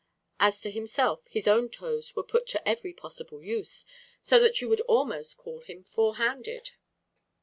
As to himself, his own toes were put to every possible use, so that you would almost call him four handed.